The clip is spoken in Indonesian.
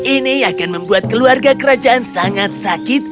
ini akan membuat keluarga kerajaan sangat sakit